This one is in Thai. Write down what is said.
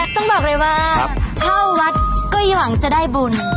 ต้องบอกเลยว่าเข้าวัดก็ยังหวังจะได้บุญ